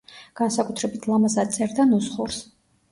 განსაკუთრებით ლამაზად წერდა ნუსხურს.